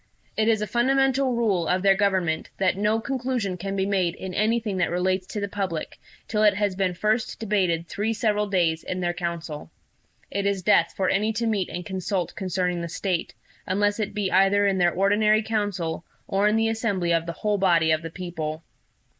It is a fundamental rule of their government, that no conclusion can be made in anything that relates to the public till it has been first debated three several days in their council. It is death for any to meet and consult concerning the State, unless it be either in their ordinary council, or in the assembly of the whole body of the people.